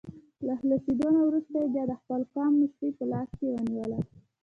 له خلاصېدو نه وروسته یې بیا د خپل قوم مشري په لاس کې ونیوله.